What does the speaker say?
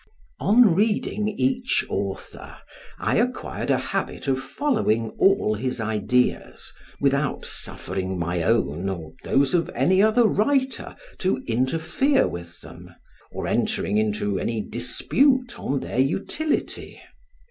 On reading each author, I acquired a habit of following all his ideas, without suffering my own or those of any other writer to interfere with them, or entering into any dispute on their utility.